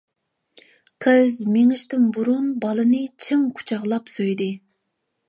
قىز مېڭىشتىن بۇرۇن بالىنى چىڭ قۇچاقلاپ سۆيدى.